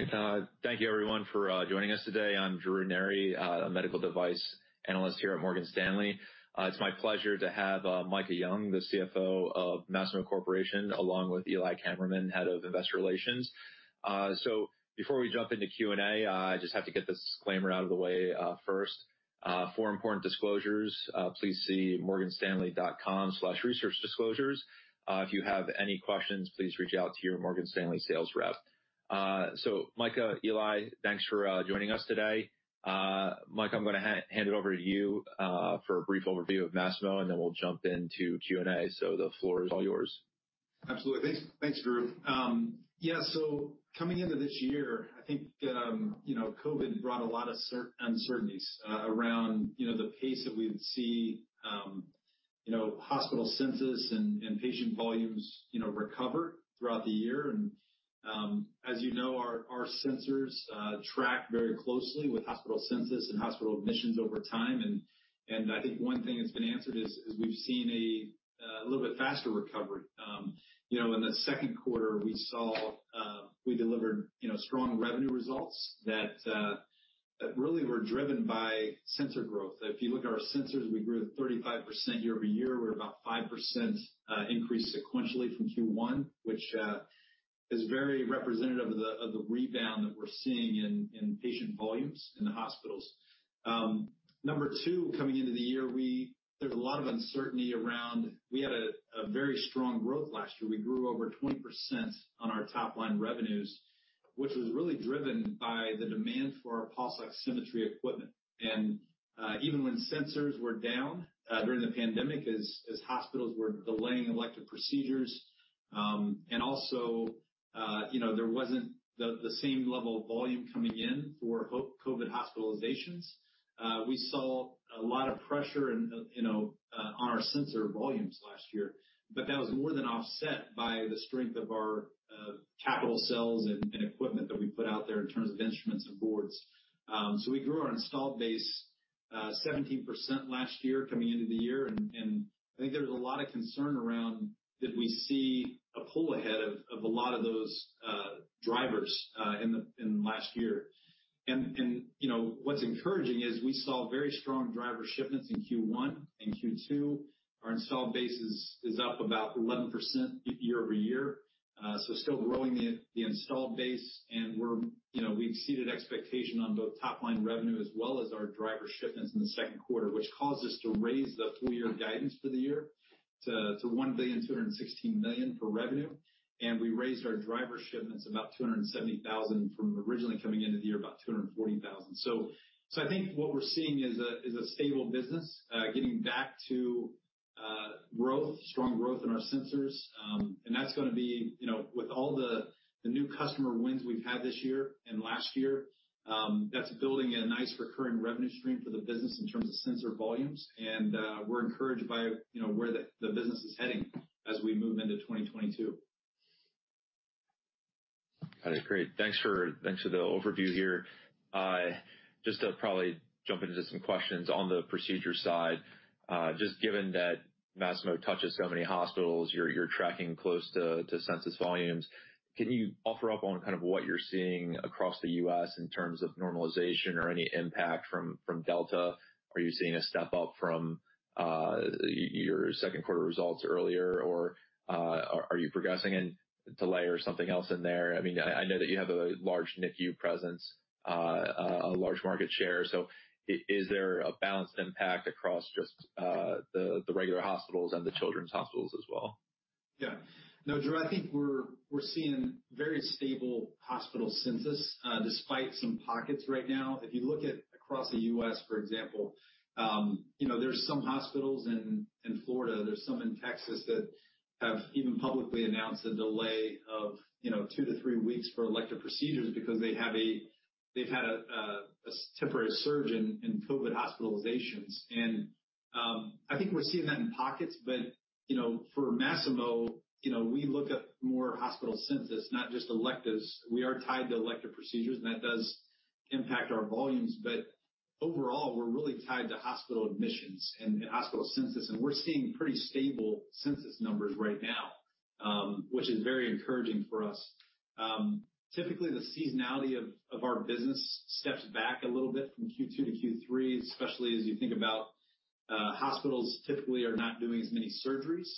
All right, thank you, everyone, for joining us today. I'm Drew Ranieri, a medical device analyst here at Morgan Stanley. It's my pleasure to have Micah Young, the CFO of Masimo Corporation, along with Eli Kammerman, Head of Investor Relations. So before we jump into Q&A, I just have to get this disclaimer out of the way first. For important disclosures, please see morganstanley.com/researchdisclosures. If you have any questions, please reach out to your Morgan Stanley sales rep. So Micah, Eli, thanks for joining us today. Micah, I'm going to hand it over to you for a brief overview of Masimo, and then we'll jump into Q&A. So the floor is all yours. Absolutely. Thanks, Drew. Yeah, so coming into this year, I think COVID brought a lot of uncertainties around the pace that we'd see hospital census and patient volumes recover throughout the year. And as you know, our sensors track very closely with hospital census and hospital admissions over time. And I think one thing that's been answered is we've seen a little bit faster recovery. In the second quarter, we saw we delivered strong revenue results that really were driven by sensor growth. If you look at our sensors, we grew 35% year over year. We're about 5% increased sequentially from Q1, which is very representative of the rebound that we're seeing in patient volumes in the hospitals. Number two, coming into the year, there's a lot of uncertainty around we had a very strong growth last year. We grew over 20% on our top-line revenues, which was really driven by the demand for pulse oximetry equipment, and even when sensors were down during the pandemic, as hospitals were delaying elective procedures, and also there wasn't the same level of volume coming in for COVID hospitalizations, we saw a lot of pressure on our sensor volumes last year, but that was more than offset by the strength of our capital sales and equipment that we put out there in terms of instruments and boards, so we grew our installed base 17% last year coming into the year, and I think there's a lot of concern around that we see a pull ahead of a lot of those drivers in last year, and what's encouraging is we saw very strong driver shipments in Q1 and Q2. Our installed base is up about 11% year over year. Still growing the installed base. We exceeded expectation on both top-line revenue as well as our driver shipments in the second quarter, which caused us to raise the full-year guidance for the year to $1,216 million for revenue. We raised our driver shipments about 270,000 from originally coming into the year, about 240,000. I think what we're seeing is a stable business, getting back to growth, strong growth in our sensors. That's going to be, with all the new customer wins we've had this year and last year, that's building a nice recurring revenue stream for the business in terms of sensor volumes. We're encouraged by where the business is heading as we move into 2022. Got it. Great. Thanks for the overview here. Just to probably jump into some questions on the procedure side, just given that Masimo touches so many hospitals, you're tracking close to census volumes. Can you offer up on kind of what you're seeing across the U.S. in terms of normalization or any impact from Delta? Are you seeing a step up from your second quarter results earlier, or are you progressing? And to layer something else in there, I mean, I know that you have a large NICU presence, a large market share. So is there a balanced impact across just the regular hospitals and the children's hospitals as well? Yeah. No, Drew, I think we're seeing very stable hospital census despite some pockets right now. If you look across the U.S., for example, there's some hospitals in Florida, there's some in Texas that have even publicly announced a delay of two to three weeks for elective procedures because they've had a temporary surge in COVID hospitalizations. And I think we're seeing that in pockets. But for Masimo, we look at more hospital census, not just electives. We are tied to elective procedures, and that does impact our volumes. But overall, we're really tied to hospital admissions and hospital census. And we're seeing pretty stable census numbers right now, which is very encouraging for us. Typically, the seasonality of our business steps back a little bit from Q2 to Q3, especially as you think about hospitals typically are not doing as many surgeries.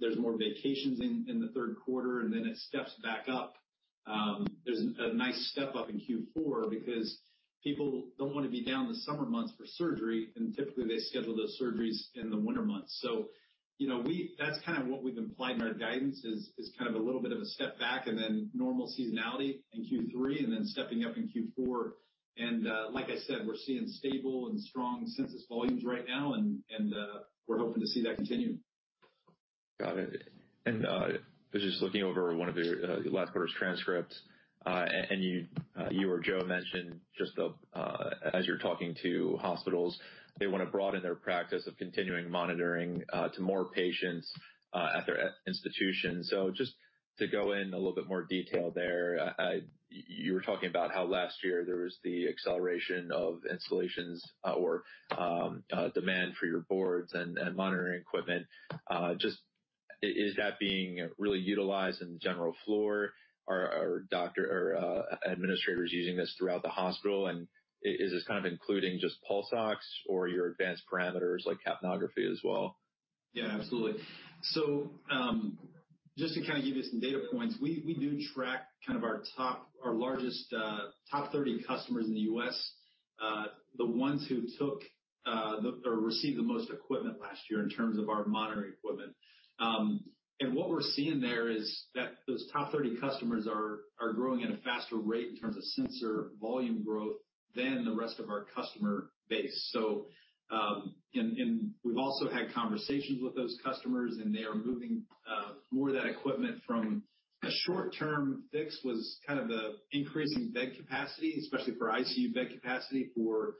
There's more vacations in the third quarter, and then it steps back up. There's a nice step up in Q4 because people don't want to be down the summer months for surgery, and typically they schedule those surgeries in the winter months, so that's kind of what we've implied in our guidance is kind of a little bit of a step back and then normal seasonality in Q3 and then stepping up in Q4, and like I said, we're seeing stable and strong census volumes right now, and we're hoping to see that continue. Got it. And I was just looking over one of your last quarter's transcripts. And you or Joe mentioned just as you're talking to hospitals, they want to broaden their practice of continuous monitoring to more patients at their institution. So just to go in a little bit more detail there, you were talking about how last year there was the acceleration of installations or demand for your boards and monitoring equipment. Just is that being really utilized in the general floor? Are doctors or administrators using this throughout the hospital? And is this kind of including just pulse oximetry or your advanced parameters like capnography as well? Yeah, absolutely. So just to kind of give you some data points, we do track kind of our top 30 customers in the U.S., the ones who took or received the most equipment last year in terms of our monitoring equipment. And what we're seeing there is that those top 30 customers are growing at a faster rate in terms of sensor volume growth than the rest of our customer base. So we've also had conversations with those customers, and they are moving more of that equipment from a short-term fix was kind of the increasing bed capacity, especially for ICU bed capacity for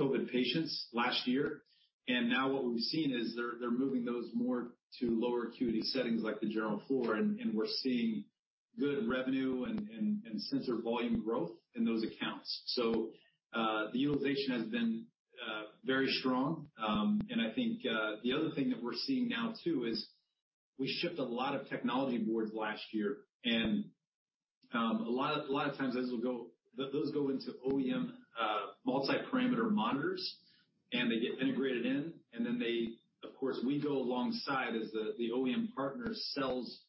COVID patients last year. And now what we've seen is they're moving those more to lower acuity settings like the general floor. And we're seeing good revenue and sensor volume growth in those accounts. So the utilization has been very strong. And I think the other thing that we're seeing now too is we shipped a lot of technology boards last year. And a lot of times those go into OEM multi-parameter monitors, and they get integrated in. And then they, of course, we go alongside as the OEM partner sells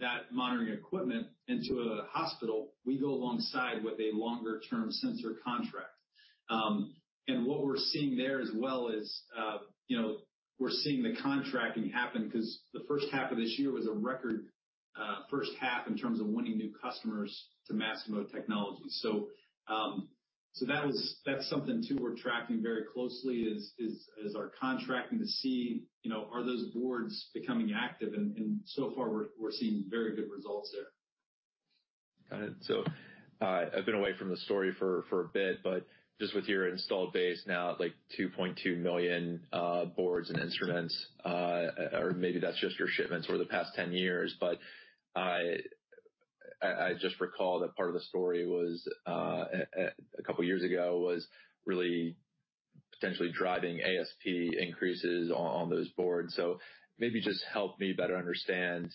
that monitoring equipment into a hospital, we go alongside with a longer-term sensor contract. And what we're seeing there as well is we're seeing the contracting happen because the first half of this year was a record first half in terms of winning new customers to Masimo technology. So that's something too we're tracking very closely is our contracting to see are those boards becoming active. And so far, we're seeing very good results there. Got it. So I've been away from the story for a bit, but just with your installed base now at like 2.2 million boards and instruments, or maybe that's just your shipments over the past 10 years. But I just recall that part of the story a couple of years ago was really potentially driving ASP increases on those boards. So maybe just help me better understand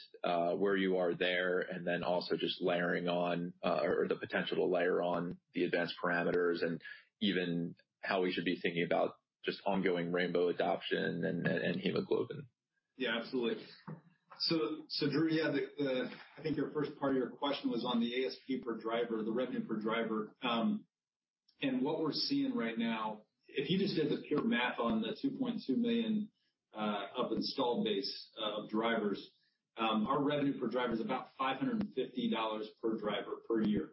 where you are there and then also just layering on or the potential to layer on the advanced parameters and even how we should be thinking about just ongoing Rainbow adoption and hemoglobin. Yeah, absolutely. So Drew, yeah, I think your first part of your question was on the ASP per driver, the revenue per driver. And what we're seeing right now, if you just did the pure math on the 2.2 million of installed base of drivers, our revenue per driver is about $550 per driver per year.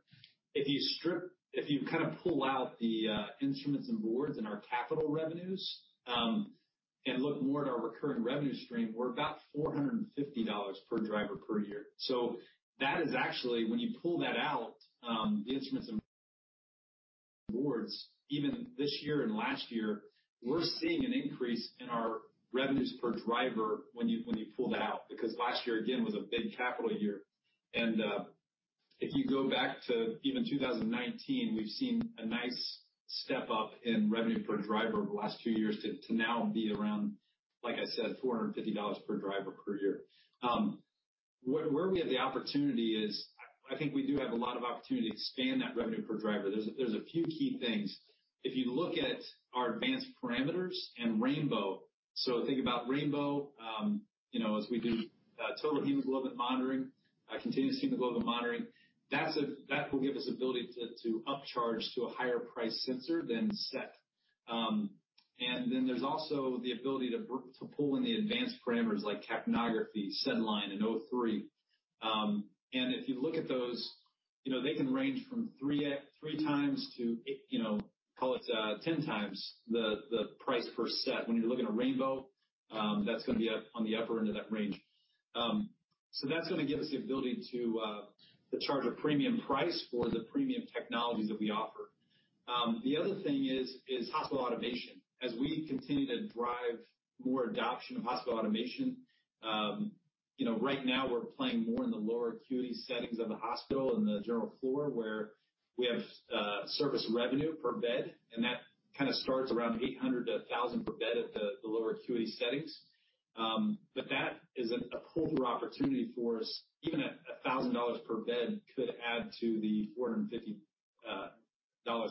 If you kind of pull out the instruments and boards and our capital revenues and look more at our recurring revenue stream, we're about $450 per driver per year. So that is actually, when you pull that out, the instruments and boards, even this year and last year, we're seeing an increase in our revenues per driver when you pull that out because last year, again, was a big capital year. And if you go back to even 2019, we've seen a nice step up in revenue per Driver over the last two years to now be around, like I said, $450 per Driver per year. Where we have the opportunity is I think we do have a lot of opportunity to expand that revenue per Driver. There's a few key things. If you look at our advanced parameters and Rainbow, so think about Rainbow as we do total hemoglobin monitoring, continuous hemoglobin monitoring, that will give us the ability to upcharge to a higher-priced sensor than SET. And then there's also the ability to pull in the advanced parameters like capnography, SedLine, and O3. And if you look at those, they can range from three times to, call it 10 times the price per SET. When you're looking at Rainbow, that's going to be on the upper end of that range, so that's going to give us the ability to charge a premium price for the premium technologies that we offer. The other thing is hospital automation. As we continue to drive more adoption of hospital automation, right now we're playing more in the lower acuity settings of the hospital in the general floor where we have service revenue per bed, and that kind of starts around 800-1,000 per bed at the lower acuity settings, but that is a pull-through opportunity for us. Even $1,000 per bed could add to the $450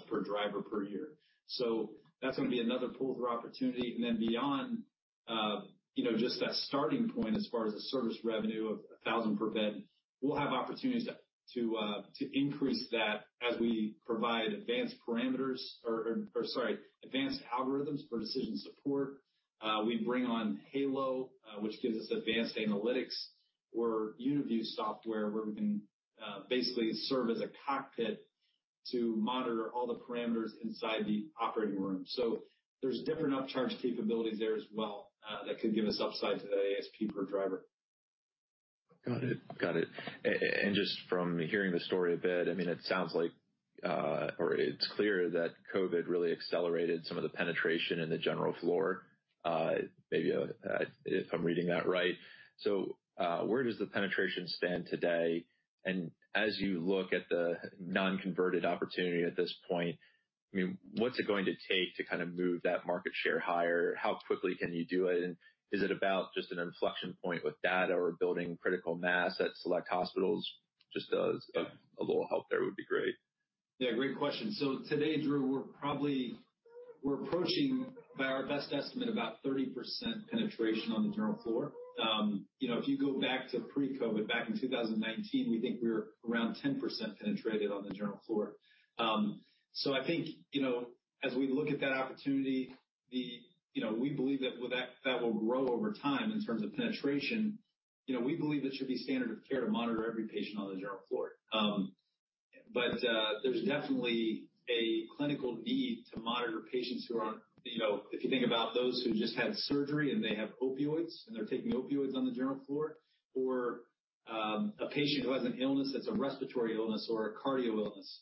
per Driver per year, so that's going to be another pull-through opportunity. Then beyond just that starting point as far as the service revenue of $1,000 per bed, we'll have opportunities to increase that as we provide advanced parameters or, sorry, advanced algorithms for decision support. We bring on Halo, which gives us advanced analytics, or UniView software where we can basically serve as a cockpit to monitor all the parameters inside the operating room. There's different upcharge capabilities there as well that could give us upside to the ASP per driver. Got it. Got it. And just from hearing the story a bit, I mean, it sounds like or it's clear that COVID really accelerated some of the penetration in the general floor, maybe if I'm reading that right. So where does the penetration stand today? And as you look at the non-converted opportunity at this point, I mean, what's it going to take to kind of move that market share higher? How quickly can you do it? And is it about just an inflection point with data or building critical mass at select hospitals? Just a little help there would be great. Yeah, great question. So today, Drew, we're approaching by our best estimate about 30% penetration on the general floor. If you go back to pre-COVID, back in 2019, we think we were around 10% penetrated on the general floor. So I think as we look at that opportunity, we believe that that will grow over time in terms of penetration. We believe it should be standard of care to monitor every patient on the general floor. But there's definitely a clinical need to monitor patients who are, if you think about those who just had surgery and they have opioids and they're taking opioids on the general floor, or a patient who has an illness that's a respiratory illness or a cardio illness.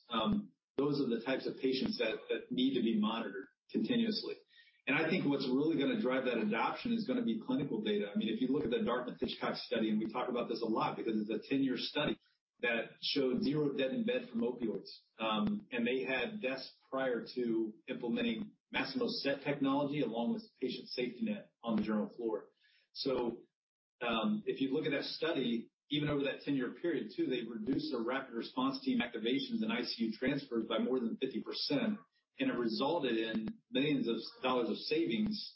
Those are the types of patients that need to be monitored continuously. I think what's really going to drive that adoption is going to be clinical data. I mean, if you look at the Dartmouth-Hitchcock study, and we talk about this a lot because it's a 10-year study that showed zero dead in bed from opioids. And they had deaths prior to implementing Masimo's SET technology along with Patient SafetyNet on the general floor. So if you look at that study, even over that 10-year period too, they reduced the rapid response team activations and ICU transfers by more than 50%. And it resulted in millions of dollars of savings,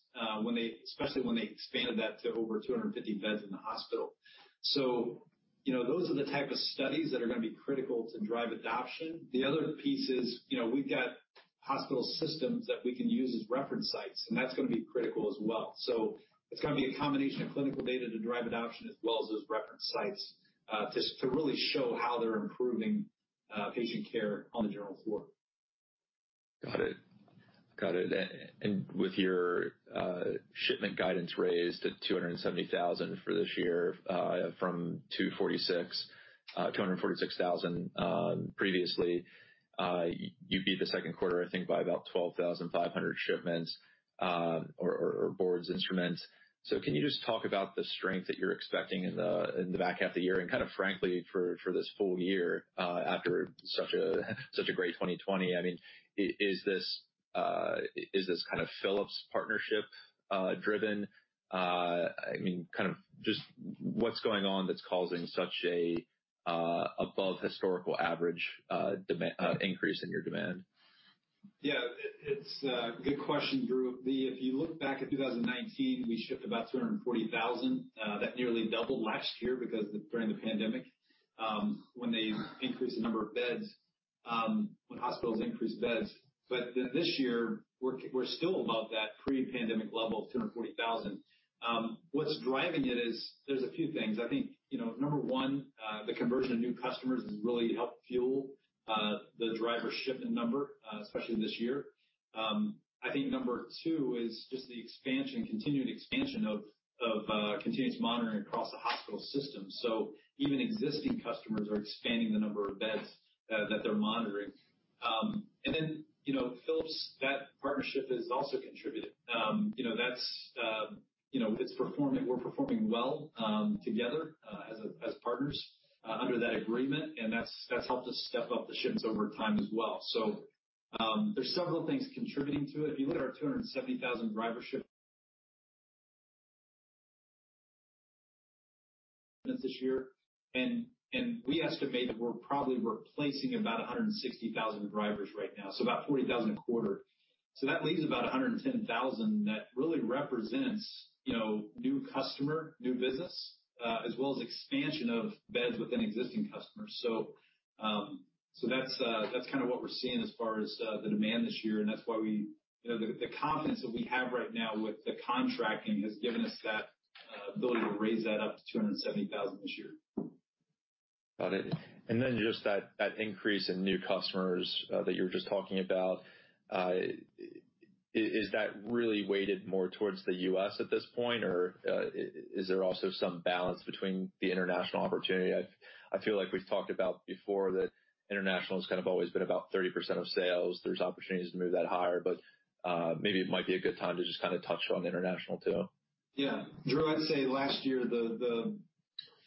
especially when they expanded that to over 250 beds in the hospital. So those are the type of studies that are going to be critical to drive adoption. The other piece is we've got hospital systems that we can use as reference sites, and that's going to be critical as well, so it's going to be a combination of clinical data to drive adoption as well as those reference sites to really show how they're improving patient care on the general floor. Got it. Got it. And with your shipment guidance raised to 270,000 for this year from 246,000 previously, you beat the second quarter, I think, by about 12,500 shipments or boards. Instruments. So can you just talk about the strength that you're expecting in the back half of the year? And kind of frankly, for this full year after such a great 2020, I mean, is this kind of Philips partnership driven? I mean, kind of just what's going on that's causing such an above-historical average increase in your demand? Yeah, it's a good question, Drew. If you look back at 2019, we shipped about 240,000. That nearly doubled last year because during the pandemic when they increased the number of beds, when hospitals increased beds. But this year, we're still above that pre-pandemic level of 240,000. What's driving it is there's a few things. I think number one, the conversion of new customers has really helped fuel the driver shipment number, especially this year. I think number two is just the expansion, continued expansion of continuous monitoring across the hospital system. So even existing customers are expanding the number of beds that they're monitoring. And then Philips, that partnership has also contributed. That's performing. We're performing well together as partners under that agreement. And that's helped us step up the shipments over time as well. So there's several things contributing to it. If you look at our 270,000 driver shipments this year, and we estimate we're probably replacing about 160,000 drivers right now, so about 40,000 a quarter. So that leaves about 110,000 that really represents new customer, new business, as well as expansion of beds within existing customers. So that's kind of what we're seeing as far as the demand this year. And that's why the confidence that we have right now with the contracting has given us that ability to raise that up to 270,000 this year. Got it. And then just that increase in new customers that you were just talking about, is that really weighted more towards the U.S. at this point? Or is there also some balance between the international opportunity? I feel like we've talked about before that international has kind of always been about 30% of sales. There's opportunities to move that higher. But maybe it might be a good time to just kind of touch on international too. Yeah. Drew, I'd say last year,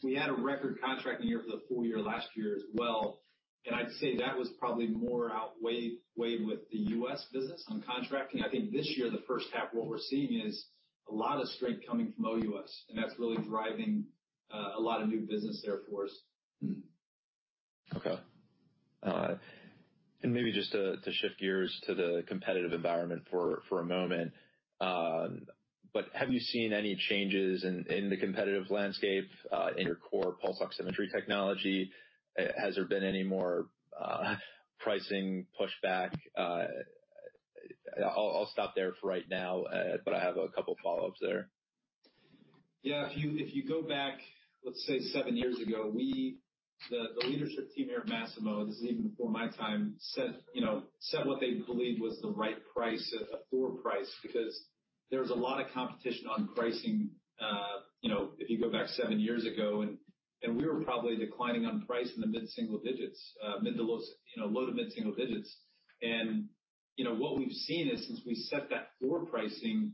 we had a record contracting year for the full year last year as well. And I'd say that was probably more outweighed with the U.S. business on contracting. I think this year, the first half, what we're seeing is a lot of strength coming from OUS. And that's really driving a lot of new business there for us. Okay. And maybe just to shift gears to the competitive environment for a moment, but have you seen any changes in the competitive landscape in your core pulse oximetry technology? Has there been any more pricing pushback? I'll stop there for right now, but I have a couple of follow-ups there. Yeah. If you go back, let's say seven years ago, the leadership team here at Masimo, this is even before my time, set what they believed was the right price, a floor price, because there was a lot of competition on pricing. If you go back seven years ago, and we were probably declining on price in the mid-single digits, mid to low to mid-single digits. And what we've seen is since we set that floor pricing,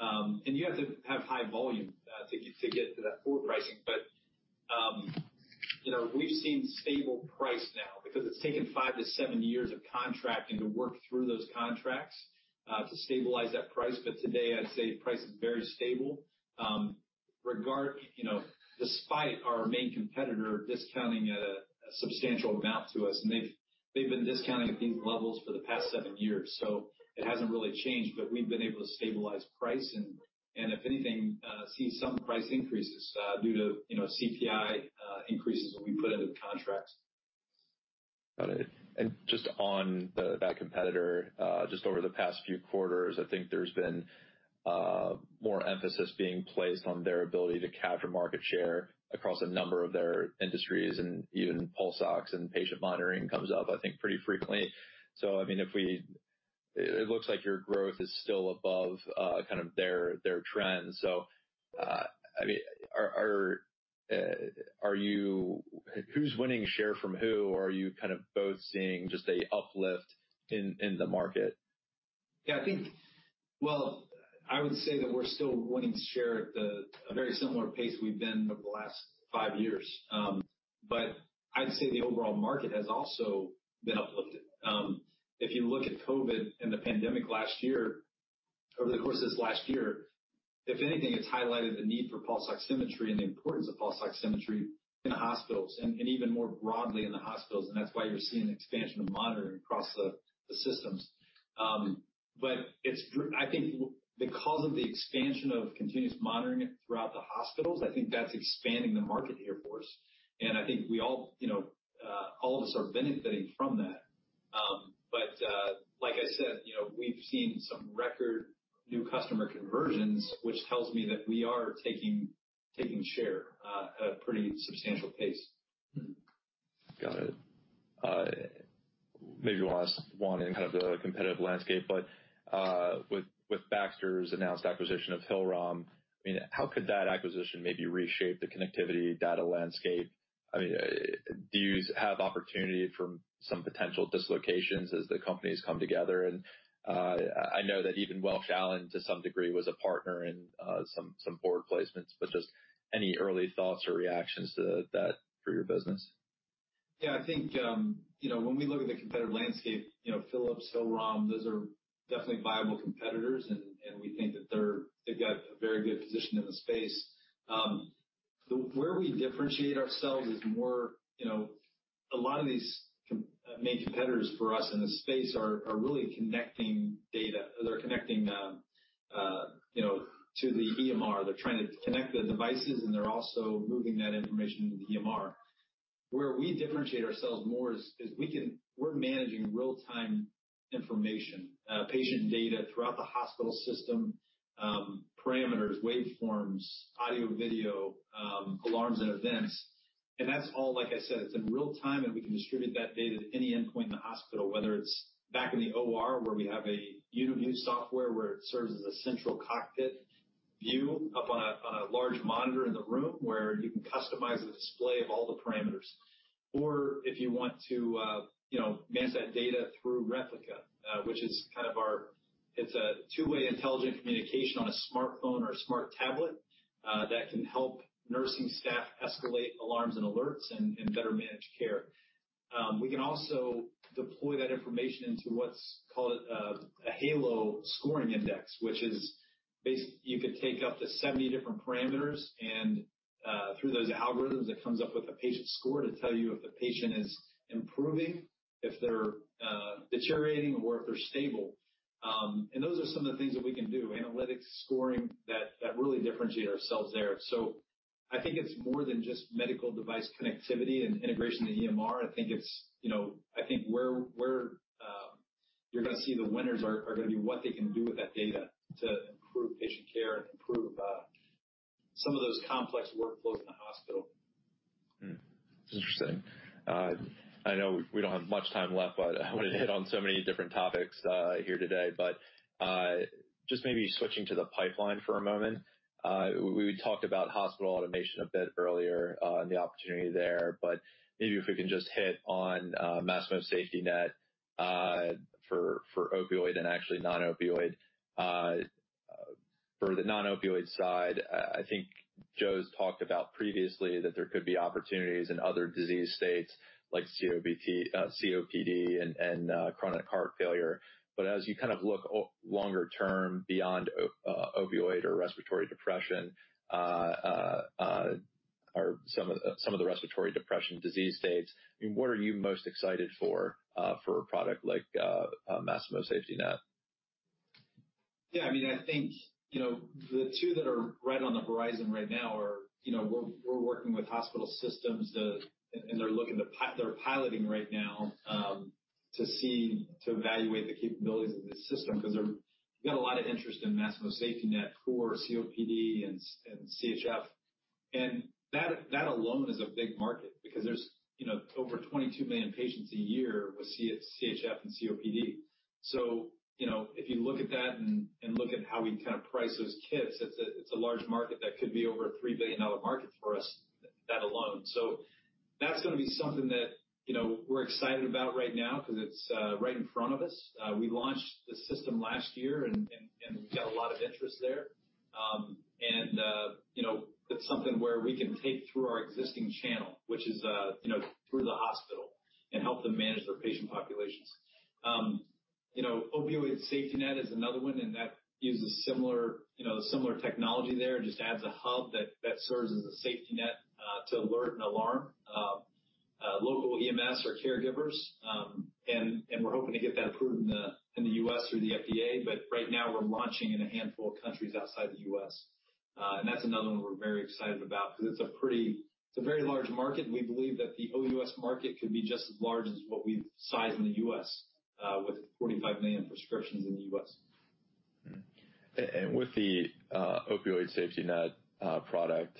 and you have to have high volume to get to that floor pricing, but we've seen stable price now because it's taken five to seven years of contracting to work through those contracts to stabilize that price. But today, I'd say price is very stable despite our main competitor discounting at a substantial amount to us. And they've been discounting at these levels for the past seven years. So it hasn't really changed, but we've been able to stabilize price and, if anything, see some price increases due to CPI increases that we put into the contracts. Got it. And just on that competitor, just over the past few quarters, I think there's been more emphasis being placed on their ability to capture market share across a number of their industries. And even pulse oximetry and patient monitoring comes up, I think, pretty frequently. So I mean, it looks like your growth is still above kind of their trend. So I mean, who's winning share from who? Or are you kind of both seeing just an uplift in the market? Yeah. Well, I would say that we're still winning share at a very similar pace we've been over the last five years. But I'd say the overall market has also been uplifted. If you look at COVID and the pandemic last year, over the course of this last year, if anything, it's highlighted the need for pulse oximetry and the importance of pulse oximetry in the hospitals and even more broadly in the hospitals. And that's why you're seeing expansion of monitoring across the systems. But I think because of the expansion of continuous monitoring throughout the hospitals, I think that's expanding the market here for us. And I think all of us are benefiting from that. But like I said, we've seen some record new customer conversions, which tells me that we are taking share at a pretty substantial pace. Got it. Maybe one in kind of the competitive landscape, but with Baxter's announced acquisition of Hillrom, I mean, how could that acquisition maybe reshape the connectivity data landscape? I mean, do you have opportunity for some potential dislocations as the companies come together? And I know that even Welch Allyn, to some degree, was a partner in some board placements. But just any early thoughts or reactions to that for your business? Yeah. I think when we look at the competitive landscape, Philips, Hillrom, those are definitely viable competitors, and we think that they've got a very good position in the space. Where we differentiate ourselves is more a lot of these main competitors for us in the space are really connecting data. They're connecting to the EMR. They're trying to connect the devices, and they're also moving that information to the EMR. Where we differentiate ourselves more is we're managing real-time information, patient data throughout the hospital system, parameters, waveforms, audio-video, alarms, and events. And that's all, like I said, it's in real time, and we can distribute that data to any endpoint in the hospital, whether it's back in the OR where we have a UniView software where it serves as a central cockpit view up on a large monitor in the room where you can customize the display of all the parameters. Or if you want to manage that data through Replica, which is kind of our it's a two-way intelligent communication on a smartphone or a smart tablet that can help nursing staff escalate alarms and alerts and better manage care. We can also deploy that information into what's called a Halo scoring index, which is you could take up to 70 different parameters, and through those algorithms, it comes up with a patient score to tell you if the patient is improving, if they're deteriorating, or if they're stable. Those are some of the things that we can do: analytics, scoring that really differentiate ourselves there. I think it's more than just medical device connectivity and integration to EMR. I think it's where you're going to see the winners are going to be what they can do with that data to improve patient care and improve some of those complex workflows in the hospital. Interesting. I know we don't have much time left, but I want to hit on so many different topics here today. But just maybe switching to the pipeline for a moment, we talked about hospital automation a bit earlier and the opportunity there. But maybe if we can just hit on Masimo's SafetyNet for opioid and actually non-opioid. For the non-opioid side, I think Joe's talked about previously that there could be opportunities in other disease states like COPD and chronic heart failure. But as you kind of look longer term beyond opioid or respiratory depression or some of the respiratory depression disease states, I mean, what are you most excited for for a product like Masimo's SafetyNet? Yeah. I mean, I think the two that are right on the horizon right now are we're working with hospital systems, and they're piloting right now to evaluate the capabilities of the system because they've got a lot of interest in Masimo SafetyNet for COPD and CHF. That alone is a big market because there's over 22 million patients a year with CHF and COPD. If you look at that and look at how we kind of price those kits, it's a large market that could be over a $3 billion market for us that alone. That's going to be something that we're excited about right now because it's right in front of us. We launched the system last year, and we've got a lot of interest there. And it's something where we can take through our existing channel, which is through the hospital, and help them manage their patient populations. Opioid SafetyNet is another one, and that uses similar technology there. It just adds a hub that serves as a safety net to alert and alarm local EMS or caregivers. And we're hoping to get that approved in the U.S. through the FDA. But right now, we're launching in a handful of countries outside the U.S. And that's another one we're very excited about because it's a very large market. We believe that the OUS market could be just as large as what we've sized in the U.S. with 45 million prescriptions in the U.S. With the Opioid SafetyNet product,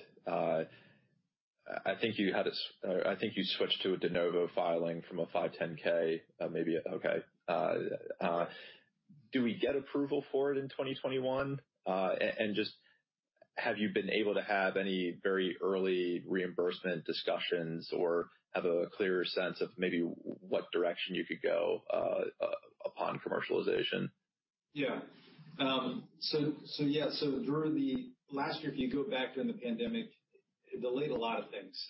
I think you switched to a de novo filing from a 510(k), maybe. Okay. Do we get approval for it in 2021? Just have you been able to have any very early reimbursement discussions or have a clearer sense of maybe what direction you could go upon commercialization? Yeah. So last year, if you go back during the pandemic, it delayed a lot of things.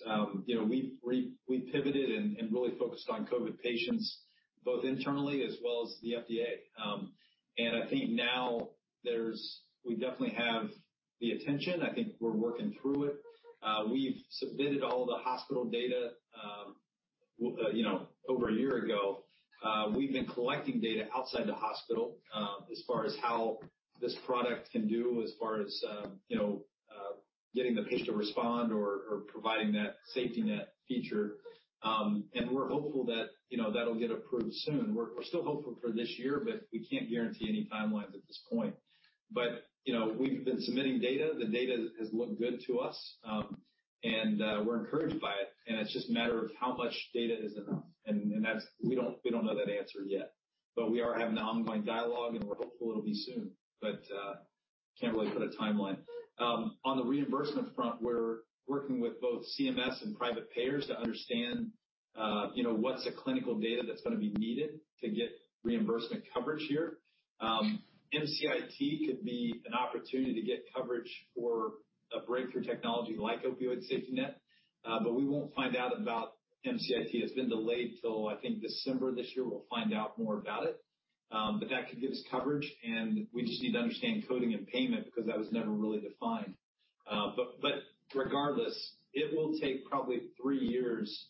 We pivoted and really focused on COVID patients both internally as well as the FDA. And I think now we definitely have the attention. I think we're working through it. We've submitted all the hospital data over a year ago. We've been collecting data outside the hospital as far as how this product can do as far as getting the patient to respond or providing that safety net feature. And we're hopeful that that'll get approved soon. We're still hopeful for this year, but we can't guarantee any timelines at this point. But we've been submitting data. The data has looked good to us, and we're encouraged by it. And it's just a matter of how much data is enough. And we don't know that answer yet. But we are having an ongoing dialogue, and we're hopeful it'll be soon. But I can't really put a timeline. On the reimbursement front, we're working with both CMS and private payers to understand what's the clinical data that's going to be needed to get reimbursement coverage here. MCIT could be an opportunity to get coverage for a breakthrough technology like Opioid SafetyNet. But we won't find out about MCIT. It's been delayed till, I think, December this year. We'll find out more about it. But that could give us coverage. And we just need to understand coding and payment because that was never really defined. But regardless, it will take probably three years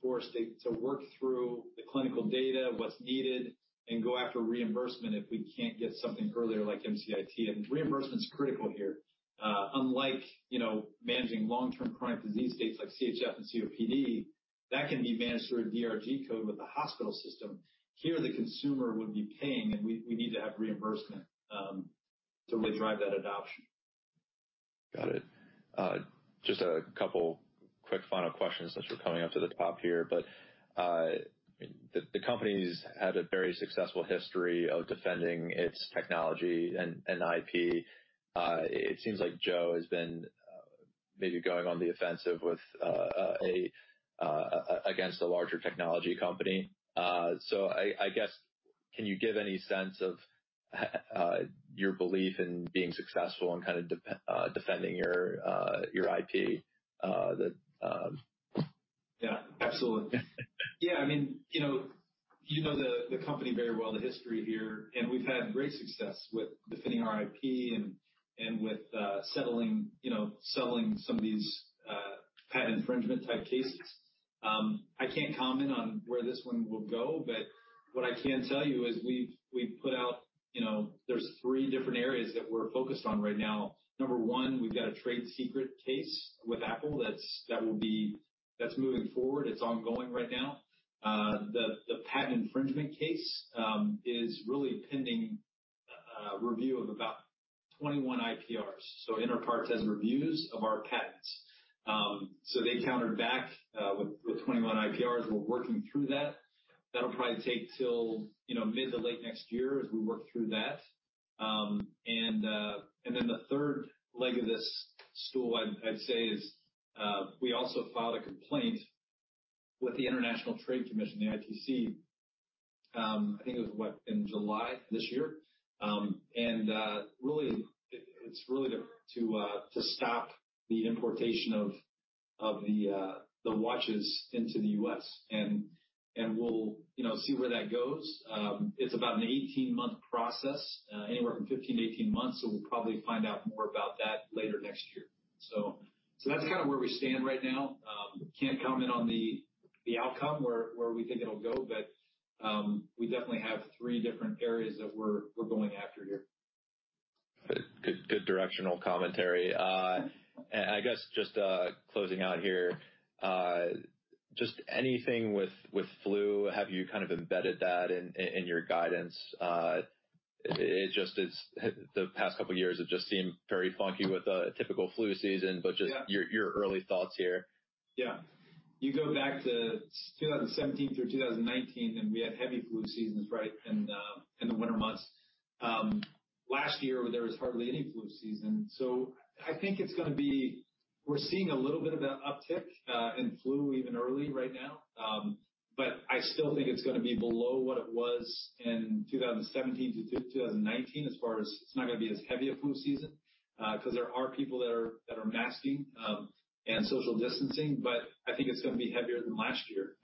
for us to work through the clinical data, what's needed, and go after reimbursement if we can't get something earlier like MCIT. And reimbursement's critical here. Unlike managing long-term chronic disease states like CHF and COPD, that can be managed through a DRG code with the hospital system. Here, the consumer would be paying, and we need to have reimbursement to really drive that adoption. Got it. Just a couple of quick final questions as we're coming up to the top here. But the company's had a very successful history of defending its technology and IP. It seems like Joe has been maybe going on the offensive against a larger technology company. So I guess, can you give any sense of your belief in being successful in kind of defending your IP? Yeah. Absolutely. Yeah. I mean, you know the company very well, the history here. And we've had great success with defending our IP and with settling some of these patent infringement-type cases. I can't comment on where this one will go. But what I can tell you is we've put out there's three different areas that we're focused on right now. Number one, we've got a trade secret case with Apple that's moving forward. It's ongoing right now. The patent infringement case is really pending review of about 21 IPRs. So Apple has reviews of our patents. So they countered back with 21 IPRs. We're working through that. That'll probably take till mid to late next year as we work through that. And then the third leg of this stool, I'd say, is we also filed a complaint with the International Trade Commission, the ITC. I think it was in July this year. And it's really to stop the importation of the watches into the U.S. And we'll see where that goes. It's about an 18-month process, anywhere from 15-18 months. So we'll probably find out more about that later next year. So that's kind of where we stand right now. Can't comment on the outcome, where we think it'll go. But we definitely have three different areas that we're going after here. Good directional commentary. And I guess just closing out here, just anything with flu, have you kind of embedded that in your guidance? The past couple of years, it just seemed very funky with a typical flu season. But just your early thoughts here. Yeah. You go back to 2017 through 2019, and we had heavy flu seasons, right, in the winter months. Last year, there was hardly any flu season. So I think it's going to be. We're seeing a little bit of an uptick in flu even early right now. But I still think it's going to be below what it was in 2017 to 2019 as far as it's not going to be as heavy a flu season because there are people that are masking and social distancing. But I think it's going to be heavier than last year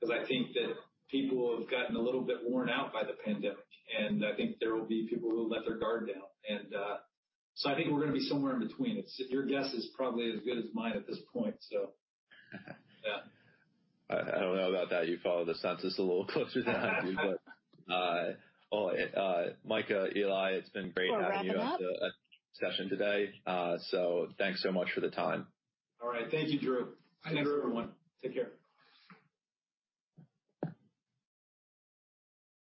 because I think that people have gotten a little bit worn out by the pandemic. And I think there will be people who'll let their guard down. And so I think we're going to be somewhere in between. Your guess is probably as good as mine at this point. So yeah. I don't know about that. You follow the census a little closer than I do. But Mike, Eli, it's been great having you at the session today. So thanks so much for the time. All right. Thank you, Drew. Thanks, everyone. Take care.